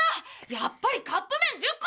やっぱりカップ麺１０個だ！